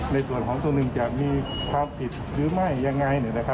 ในส่วนของส่วนหนึ่งจะมีความผิดหรือไม่ยังไง